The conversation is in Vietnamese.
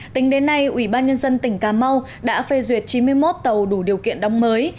tính đến nay ủy ban nhân dân tỉnh cà mau đã phê duyệt chín mươi một tàu đủ điều kiện đóng mới